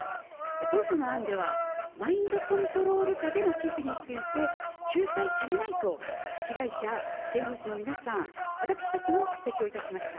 当初の案では、マインドコントロール下での寄付について、救済されないと、被害者、弁護士の皆さん、私たちも指摘をいたしました。